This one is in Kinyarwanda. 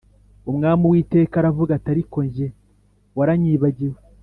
Umwami Uwiteka aravuga ati “ariko jye waranyibagiwe”